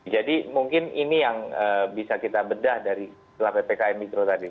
jadi mungkin ini yang bisa kita bedah dari ppkm mikro tadi